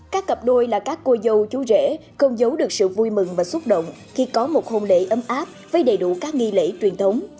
các cặp đôi là các cô dâu chú rể không giấu được sự vui mừng và xúc động khi có một hôn lễ ấm áp với đầy đủ các nghi lễ truyền thống